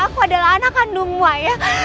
aku adalah anak kandungmu ayah